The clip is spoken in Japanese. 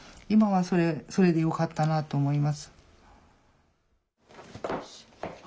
今はそれでよかったなと思います。